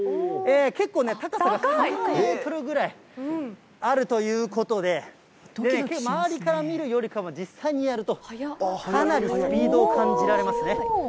結構ね、高さがメートルあるということで、周りから見るよりかは、実際にやると、かなりスピードを感じられますね。